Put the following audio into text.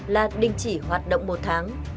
là đình chỉ hoạt động một tháng